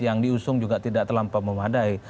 yang diusung juga tidak terlampau memadai